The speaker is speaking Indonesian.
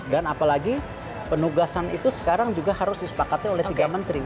dan apalagi penugasan itu sekarang juga harus disepakati oleh tiga menteri